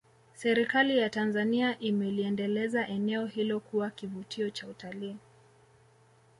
Serikali ya Tanzania imeliendeleza eneo hilo kuwa kivutio cha utalii